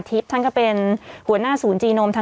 สิบเก้าชั่วโมงไปสิบเก้าชั่วโมงไป